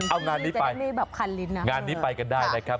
เอางานนี้ไปกันได้นะครับ